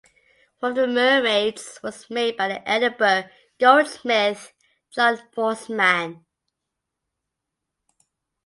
One of the mermaids was made by the Edinburgh goldsmith John Mosman.